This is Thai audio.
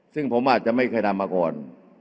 ซึ่งผมอาจจะไม่เคยทำมาก่อน